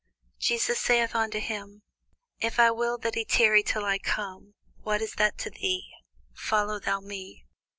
Jesus saith unto him, If I will that he tarry till I come, what is that to thee? follow thou me.